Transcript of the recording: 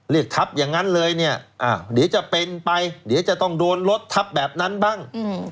เรียกทับอย่างนั้นเลยเนี่ยเดี๋ยวจะเป็นไปเดี๋ยวจะต้องโดนรถทับแบบนั้นบ้าง